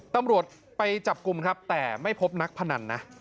ตำรวจไปจับกลุ่มครับแต่ไม่พบนักพนันนะ